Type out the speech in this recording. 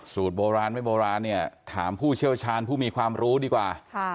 โบราณไม่โบราณเนี่ยถามผู้เชี่ยวชาญผู้มีความรู้ดีกว่า